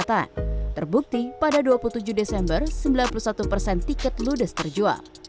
terbukti pada dua puluh tujuh desember sembilan puluh satu persen tiket ludes terjual